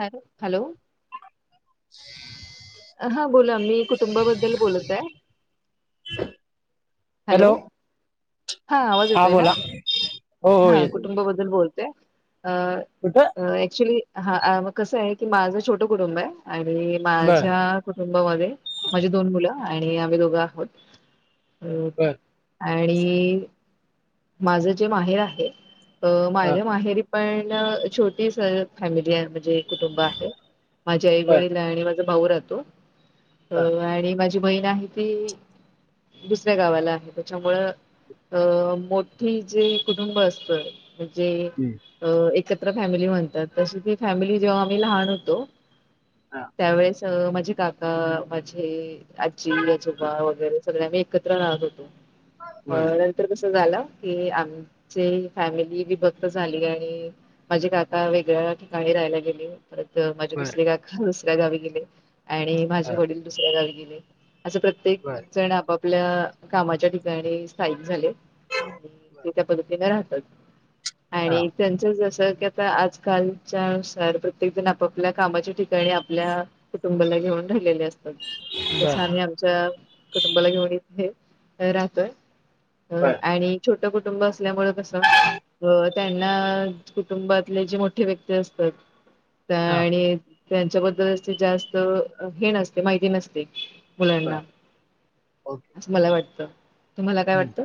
Hello hello. [inaudible] हा बोला मी कुटुंबाबद्दल बोलत आहे? हॅलो! हा आवाज येतोय ना हो हो हा येत कुटुंबाबद्दल बोलतो अ कुठं ऍक्च्युली हा मगं कस आहे की माझं छोटं कुटुंब आहे आणि बर माझ्या कुटुंबामध्ये, माझी दोन मुलं आणि आम्ही दोघं आहोत बर अ आणि माझं जे माहेर आहे, हा माझ्या माहेरी पण छोटी फॅमिली आहे म्हणजे कुटुंब आहे. माझ्या आई बर वडील आणि भाऊ राहतो हा आणि माझी बहीण आहे ती दुसऱ्या गावाला आहे त्याच्यामुळं अ मोठी जे कुटुंब असतोय म्हणजे हम्म, अ एक एकत्र फॅमिली म्हणतात ती फॅमिली जेव्हा आम्ही लहान होतो हा त्यावेळेस माझे काका माझे आजी आजोबा वगैरे सगळ्यां मी एकत्र राहत होतो बर क आमची फॅमिली विभक्त झाली आणि माझे काका वेगळ ठीकाणी राहायला गेली परत माझे बर दुसऱ्या काका दुसऱ्या गावी गेले आणि हा माझे वडील दुसऱ्या गावी गेले असं प्रत्येक बर जण आपापल्या कामाच्या ठिकाणी स्थायिक झाले आणि बर ते त्या पद्धतीने राहतात हा आणि त्यांच जस आ आजकालच्यानुसार प्रत्येक जण आपापल्या कामाच्या ठिकाणी आपल्या कुटुंबाला घेऊन झालेले तस बर आम्ही आमच्या कुटुंबाला घेऊन इथे राहतोय अ बर आणि छोटं कुटुंब असल्यामुळें कसं अ त्यांना कुटुंबातले जे मोठे व्यक्ती असतात हा आणि त्यांच्याबद्दल असे जास्त हे नसते माहिती नसते मुलांना बर ओके असं मला वाटत, तुम्हाला काय हम्म. वाटत?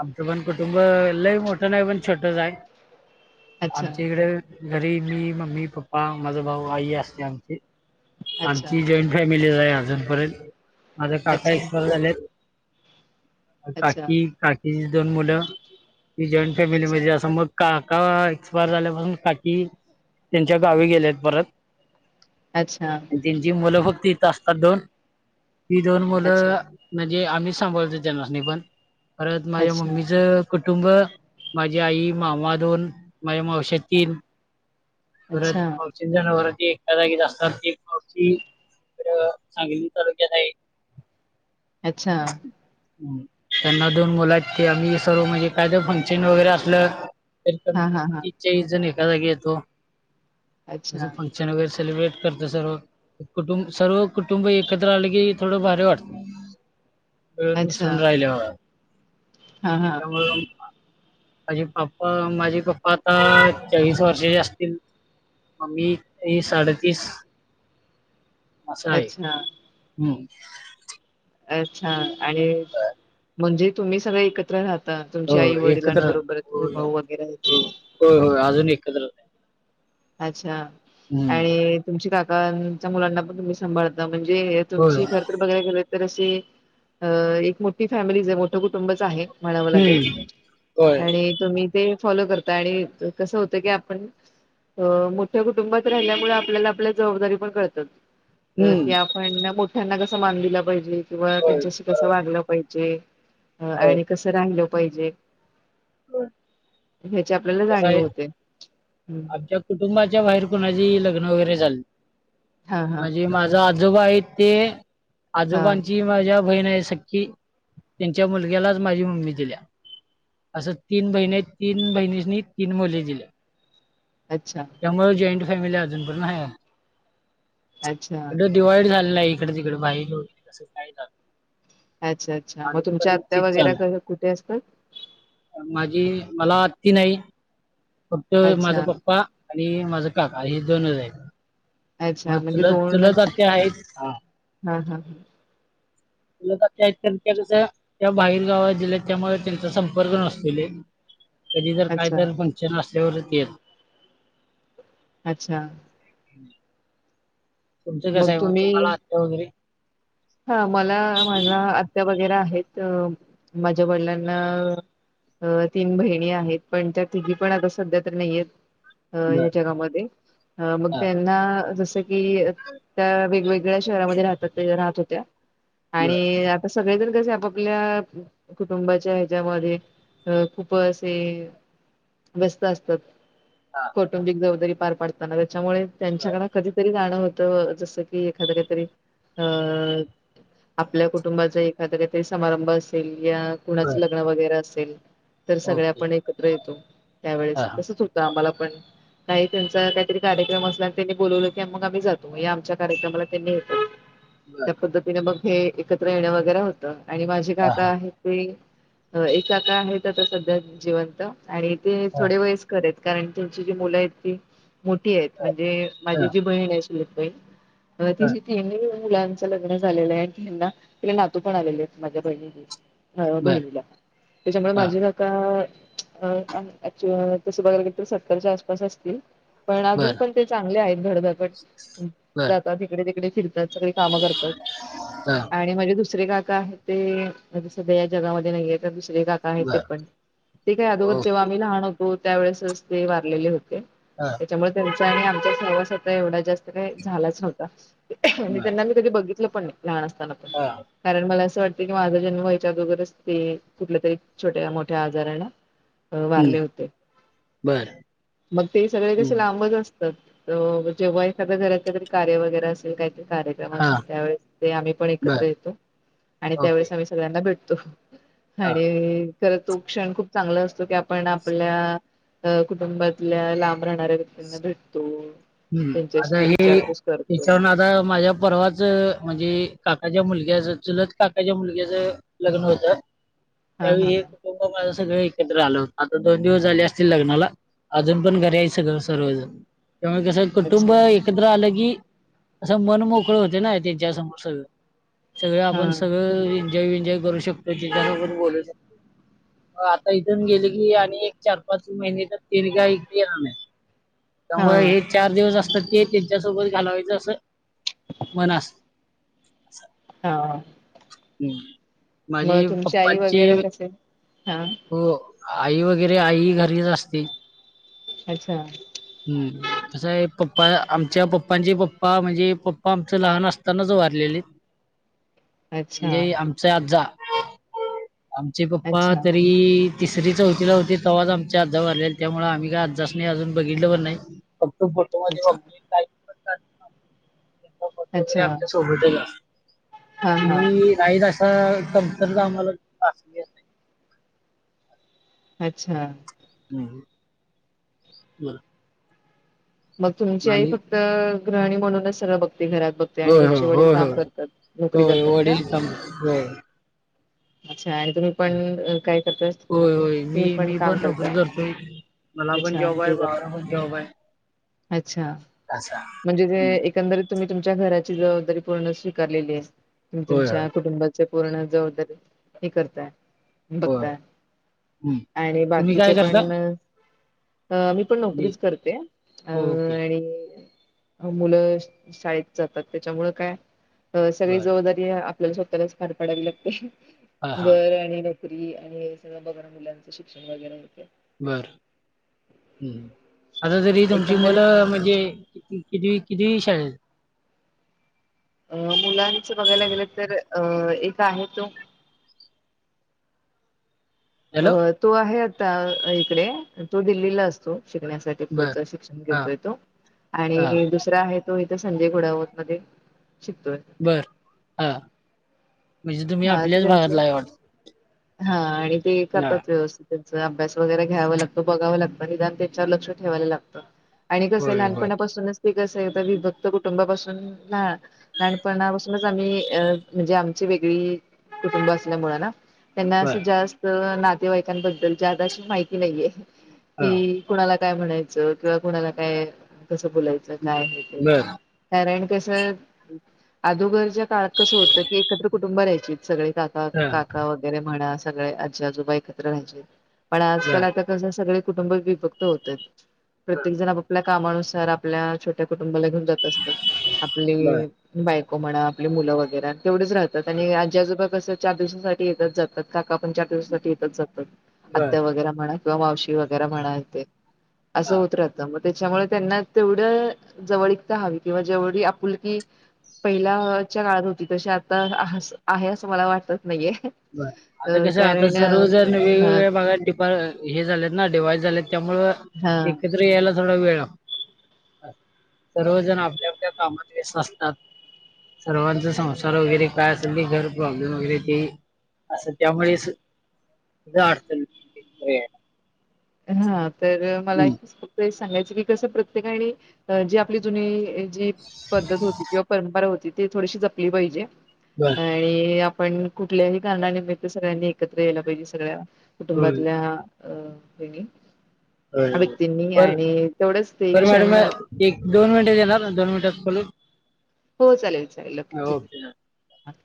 आमचं पण कुटुंब लय मोठं नाही पण छोटच आहे. अच्छा आमच्या इकडे घरी मी मम्मी पप्पा माझा भाऊ आई असते आमची अच्छा आमची जॉईंट फॅम ले जा आहे अजूनपर्यंत माझा काका अच्छा एक्सपर झालेत अच्छा काकी काकीची दोन मुलं ती जॉईंट फॅमिली अच्छा मध्ये असं मग काक काका एक्सपायर झाल्यापासून काकी त्यांच्या गावी गेलेत परत अच्छा तेंचि मुलं फक्त इथं असतात दोन ही दोन अच्छा मुलं म्हणजे आम्हीच सांभाळतोय तेनास्नी पण परत माझ्या अच्छा मम्मीच कु कुटुंब माझी आई, मामा दोन, माझे मावशे तीन परत अच्छा मावशे जणावर एका जागीच असतात ते पा सांगली तालुक्यात आहे अच्छा! त्यांना दोन मुला आहेत क आम्ही सर्व म्हणजे काय तर फंक्शन वगैरे असलं [inaudible] हा हा हा जागी येतो अच्छा फंक्शन वगैरे सेलिब्रेट करत सर्व कुटुं सर्व कुटुंब एकत्र आलं की थोडं भारी वाटतं मिळून अच्छा मिसळून राहिल्यावर हा हा त्यामुळे माझी पप्पा माझे पप्पा आता चाळीस वर्षाचे असतील मम्मी साडेतीस अस आहे अच्छा हम्म. अच्छा आणि म्हणजे तुम्ही सगळे एकत्र राहता? तुमच्या हो आई एकत्र वडिलांबरोबर होय भाऊ वगैरे ये होय होय, [unintelligible] अच्छा हम्म. आणि तुमची काकच्या मुलांना पण तुम्ही सांभाळता म्हणजे जे होय तुमची खरं तर बघायला गेल तर तर अशी एक मोठी फॅमिलीज आहे मोठं कुटुंबच आहे. म्हणावं लागेल हम्म. होय आणि तुम्ही ते फॉलो करत आणि कसं होत की आपण अ मोठ्या कुटुंबात राहिल्यामुळे आपल्याला आपल्या जबाबदारी पण कळतात. हम्म. की आपण मोठ्यांना कसं मान दिलं पाहिजे किंवा होय त्यांच्याशी कसं बरोबर वागलं पाहि जे होय आणि कस राहिलं पाहिजे. [unintelligible] ह्याची आपल्याला जाणीव होते ह. कुुंबाच्या बाहेर कुणाची लग्न वगरे झालीत हां, हां, म्हणजे माझ आता आजोबा आहेत ते हां. आजोबांची माझ्या बहीण आहे सी त्यांच्या मुलग्यालाच माझी मम्मी दिल्या असं तीन बहिणी तीन बहिणी तीन मुली दिल्यात अच्छा, त्यामुळे जॉईंट फॅमिली आहे अच्छा, आमची [unintelligible] इकड तिकडे बाहि तसं काय अच्छा, अच्छा. मग अजून तुमच्या पर्यंतच आत्या तेच वगैरे चाल क कुठे असतात? माझी मला आती नाही फक्त माझा अच्छा, पप्पा आणि माझं काका हे दोनच आहेत. अच्छा. मग म्हणजे चुल चुलत आत्या आहे हा. हां, हां. हां. [unintelligible] त्या कस त्या बाहेर गावात जे त्यामुळे त्यांचा संपर्क नसले कधी जर काय अच्छा, तरर पंशन असल्यावरच येत अच्छा. तुमचं कसं आहेब तुम्हाला आत्या वगैरे हा मला माझ्या आत्या वगैरे आहेत माझ्या वडिलांना अ तीन बहिणी आहेत पण त्या तिघी पण आता सध्या तर नाहीयेत अ बर ह्या जगामध्ये अ मग हा त्यांना जसं की त्या वेगवेग ळ्या शहरामध्ये रा राहत होत्या बर आणि आ सगळेजण कसे आपपल्या कुटुंबाच्या ह्याच्यामध्ये अ खूप असे व्यस्त असतात. हा कौटुंबिक जबाबदारी पार पाडताना त्याच्यामुळे बर त्यांच्याकड कधीतरी जाणं होत जसं की एखाद काहीतरी अ आपल्या कुटुंबाचा एखादतरी समारंभ असेल या कुणाचं बर लग्न वगैरे असे ल तर सगळ्या ओके आपण एकत्र येतो. त्यावेळेस हा हा तसच होतं आम्हाला पण काही त्यांचा काहीतरी कार्यक्रम असला आणि त्यांनी बोलवलं की मग आम्ही जातो आमच्या कार्यक्रमाला त्यांनी येतो बर त्या पद्धतीने मग हे एकत्र येण वगैरे होत आणि माझे हा काका हा आहेत ते एकाका आहे आता सध्या जिवंत आणि ते हा थोडे वयस्कर येत. कारण त्यांची जी मुलं आहेत ती मोठी आहेत म्हणजे हा हा माझी जी बहीण आहे चुलत बहीण अ तिशीथेनी मुलां लग्न झाले आहे आणि ना तिला नातू पण आलेले आहे माझ्या बहिणीणी. ह बर बहिणीला त्याच्यामुळे हा माझे नका अक तसं बघाला क तर सत्तरच्या आसपास असतील. पण अजून बर पण ते चांगले बर जातात इकडे तिकडे फिरतात सगळीकडे कामे करतात हा आणि माझे दुसरे का का आहे ते सध्या या जगामध्ये नाहीे [unintelligible] काका ते बर पण ते काय अर जेव्हा ओके आम्ही लहान होतो त्यावेेळेस ते वारलेले होते. हा त्याच्यामुळे त्यांचा आणि आमचा सहवास आता एवढा जास्त काही झालाच नव्हता बर त्यांना मी कधी बघितलं पण लान असना हा कारण मला असं वाट कि माझा जन्म यायच्या अगोरच ते कुठले तरी छोट्या मोठ्या आजारा न अ वारले हम्म होते बर मग ते सगळे कसे हम्म लांबच अस जेव्हा एखाद्या घररी कार्य वगैरे असेल काहीत कार हा त्यावेळेस ते आम्ही पण एकत्र बर येतो आणि ओके त्यावेेळेस आम्ही सगळ्यांना भेटतो हा आणि खर तो क्षण खूप चांगला असतो की आपण आपल्या अ कुटुंबातल्या लांब राहणाऱ्या व्यक्तींना भेटतो हम्म आता त्यांच्याशी विचारपूस करतो हेच्याून आता माझ्या परवाच म्हणजे काकाच्या मुलग्याच चुलत काकाच्या मुलग्याच लग्न होतं हा त्यावेळी हा हे हा कुटुंब माझं सगळं एकत्र आलं होत आता दोन दिवस झाले असतील लग्नाला अजून पण घरी याय सगळं सर्व अजून क कसं कुटुंब अच्छा एकत्र आलं की असं मन मोकळ होते ना त्यांच्या समोर सगळं सगळं हा आपण सगळं यंजॉय करू शकतो जिनाण बोलू शकतो आता इथून गेले की आणि एक चार पाच महिने तर तेर गा इे येणार नाही ह व हे चार दिवस असतात ते त्यांच्यासोबत घालवायचं असं मन असत हा ह् माझी मग तुमची आई पप्पांची वगैरे कसे हा हो आई वगैरे आई घरीच असते अच्छा हम्म कसं आहे पप्पा आमच्या पप्पांचे पप्पा म्हणजे पप्पा आमचं लहान असतानाच वारलेले [unintelligible] म्हणजे आमचा आजजा आमचे पप्पा अच्छा तरी तिसरी चौथीला होती तवाज आमच्या अजावरले त्यामुळे आम्ही का अजास नाही अजून बघितलवर नाही फक्त अच्छा फोटोमध्येध्येलेतात ट वगैरे अच्छा आमच्या सोबत का हा हा तु्ही राईत असा दमसर गमालाली अच्छा नाही बर मग तुमची आई फक्त गृहणी म्हणूनच सर बघ घरात बघते आणि होय होय तुमचे वडील होय काम करतात नोकरी होय होय करतात का वडील काम होय अच्छा आणि तुम्ही पण अ, काय करताय? होय होय मी तुम्ही मी काम पण नक करता. जतो मला पण अच्छा जॉब आहे नोकरी करता. बावला पण जॉब आहे अच्छा असा म्हणजे ते हम्म. एकंदरी तुम्ही तुमच्या घराची जबाबदारी पूर्ण स्वीकारलेली आहे तुम्ही होय तुमच्या होय कुटुंबाचे पूर्ण जबाबदारी हे करताय होय बघताय हम्म आणि तुम्ही बाकीचे काय करता? पण अ मी पण जी. नोकरीच करते अं ओके आणि मुलं शाळेत जातात त्याच्यामुं काय अ सगळी बर जबाबदारी आपल्याला स्वतःलाच पार पडावी लागते हा हा घर आणि नोकरी आणि सगळं बघा मुलांचं शिक्षण वगैरे य बर कधी तुमची एकंदरीत मुलं म्हणजे कि किती शाळे अं मुलांच बघायला गेले तर अं एक आहे तो अ हॅलो तू आहे आता इकडे तू दिल्लीला असतो शिकण्यासाठी बर. पुढचं शिक्षण हा घेतो येतो हा आणि दुसरा आहे तो संजय घोडावत मध्ये शिकतोय बर हा म्हणजे तुम्ही हा ते आपल्याच त्यांचं भागातला आहे वाट हा आणि ते करतात व्यवस्थित त्यांचा अभ्यास वगैरे घ्यावा लागतो बघावं लागतं हेण त्याच्यावर लक्ष ठेवायला लागतं आणि कसं होय बर लहानपणापासूनच ते कसं आहे विभक्त कुटुंबापासून लहानपणापासूनच आम्ही अ म्हणजे आमचे व कुुंब असल्या मु ना त्यांना अस बर जास्त नातेवाईकांबद्दल माहिती नाहीये, हा. की कणाला काय म्हणायच किंवा कुणाला काय कस बोलायचं काय ते बर कारण कस अदोगरच्या काळात कसं होत, की एकत्र कुटुंब राहायची सगळे का हा काका वगैरे म्हणा सगळे आजी आजोबा एकत्र राहायचे. पण आजकाल बर आता कस सगळे कुटुंब विभक्त होतात, हा. प्रत्येक जण आपल्या कामानुसार आपल्या छोट्या कुटुंबाला घेऊन जात असतात, बर आपली बाईको म्हणा आपले मुलं वगैरे तेवढेच राहतात, हा. आणि आज आजोबा स चार दिवसा येत जातात, काका पण चार दिवसासाठी येत जातात, बर आत्या वगैरे म्हणा किंवा मावशी व [unintelligible] असा हा. होत राहत त्याच्यामुळे त्यांना तेवढ जवळीकता हवी किंवा जेवढी आपुलकी पहिल्याच्या काळात होती तशी आता आहे असं मला वाट आता कस आता सर्व जण हा वेगवेगळ्यागा हे झालेत ना डिवाईस झालेत त्यामु हा एकत्र यायला थोडा वेळ सर्वजण आपल्या आपल्या कामात वेस असतात. सर्वांचा संसार वगैरे काय असेल क घर प्रॉब्लेम वगैरे ते असं त्यामुळे अथल हा तर मला खूप सांगायच की कस प्रत्येका जी आपली जुनी जी पद्धत होती किंवा परंपरा होती. ते थोडीशी जपली पाहिजे, बर आणि पण कुठल्याही कारणानिमित्त सगळ्यांनी एकत्र यायला पाहिजे, सगळ्या होय, कुटुंबातल्या अ होग. होय, होय. व्यक्तींनी बर आणि तेवढंच ते बर मॅडम क्षण एक दोन मिनिटात येणार दोन मिनिटात बोलून हो चालेल चालेल ओके ठीक आहे.